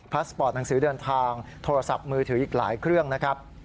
สปอร์ตหนังสือเดินทางโทรศัพท์มือถืออีกหลายเครื่องนะครับ